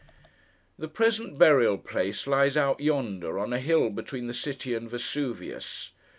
The present burial place lies out yonder, on a hill between the city and Vesuvius.